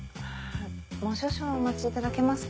もう少々お待ちいただけますか？